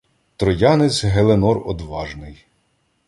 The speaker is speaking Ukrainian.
Троянець Геленор одважний